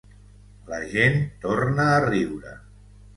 La gent torna a riure.